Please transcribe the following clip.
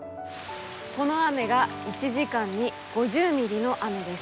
この雨が１時間に５０ミリの雨です。